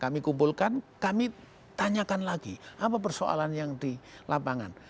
kami kumpulkan kami tanyakan lagi apa persoalan yang di lapangan